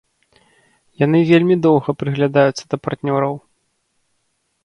Яны вельмі доўга прыглядаюцца да партнёраў.